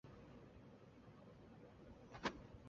عمران خان صاحب کو ادا کرنا پڑے لگتا یہی ہے